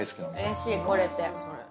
うれしい来れて。